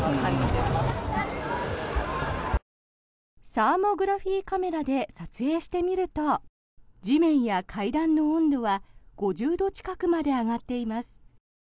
サーモグラフィーカメラで撮影してみると地面や階段の温度は５０度近くまで上がっています。